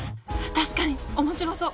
確かに面白そう！